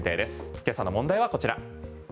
今朝の問題はこちら。